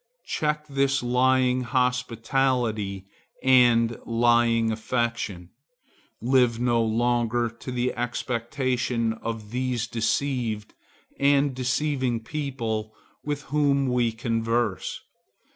Check this lying hospitality and lying affection. Live no longer to the expectation of these deceived and deceiving people with whom we converse.